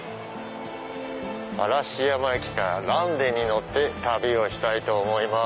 嵐山駅から嵐電に乗って旅をしたいと思います。